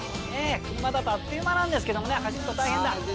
車だとあっという間なんですけど走ると大変だ。